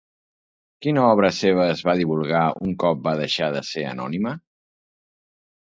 Quina obra seva es va divulgar un cop va deixar de ser anònima?